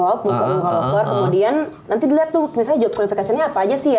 mau buka loker kemudian nanti dilihat tuh misalnya pekerjaan kualifikasinya apa aja sih ya